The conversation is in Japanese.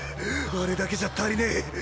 あれだけじゃ足りねぇ。